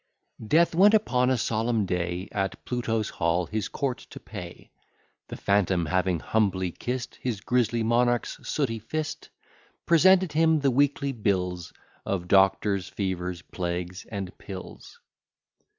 Death went upon a solemn day At Pluto's hall his court to pay; The phantom having humbly kiss'd His grisly monarch's sooty fist, Presented him the weekly bills Of doctors, fevers, plagues, and pills.